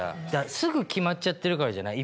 すぐ決まっちゃってるからじゃない？